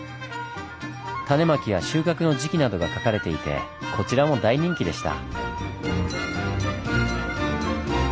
種まきや収穫の時期などが書かれていてこちらも大人気でした。